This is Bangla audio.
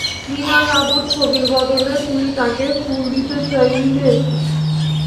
বিনয়বাবুর ছবির বদলে তুই তাঁকে ফুল দিতে চাইলি নে?